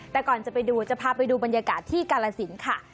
แต่ก่อนจะไปดูจะพาไปดูบรรยากาศที่กาลสินค่ะ